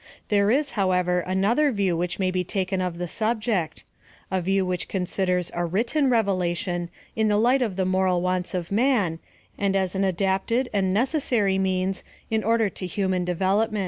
There is, however, anothei view which may be taken of the subject — a view which considers a tvriUen Revelation in the light of the moral wants of man, and as an adapted and necessary means in order to human development.